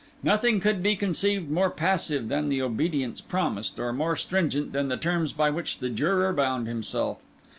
Nothing could be conceived more passive than the obedience promised, or more stringent than the terms by which the juror bound himself.